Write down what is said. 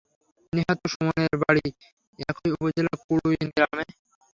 নিহত সুমনের বাড়ি একই উপজেলার কুড়ুইন গ্রামে।